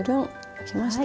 できました。